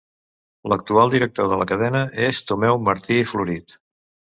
L'actual director de la cadena és Tomeu Martí i Florit.